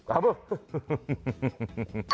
ขำบ้าง